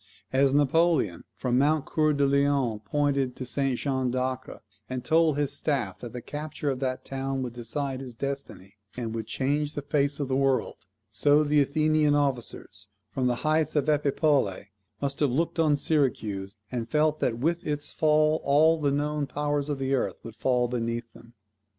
As Napoleon from Mount Coeur de Lion pointed to St. Jean d'Acre, and told his staff that the capture of that town would decide his destiny, and would change the face of the world; so the Athenian officers, from the heights of Epipolae, must have looked on Syracuse, and felt that with its fall all the known powers of the earth would fall beneath them.